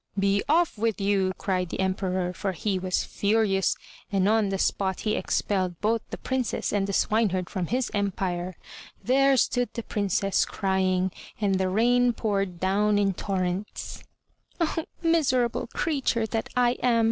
"Be off with you!" cried the Emperor, for he was furious, and on the spot he expelled both the Princess and the swineherd from his empire. There stood the Princess cry ing, and the rain poured down in torrents. TJONW P. 274 THE TREASURE CHEST "Oh, miserable creature that I am!"